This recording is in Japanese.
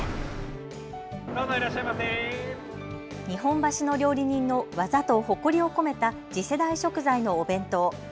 日本橋の料理人の技と誇りを込めた次世代食材のお弁当。